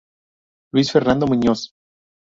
Luis Fernando Muñoz.